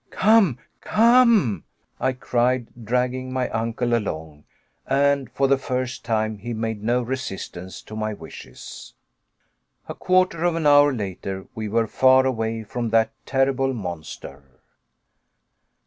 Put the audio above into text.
"Come, come!" I cried, dragging my uncle along; and, for the first time, he made no resistance to my wishes. A quarter of an hour later we were far away from that terrible monster!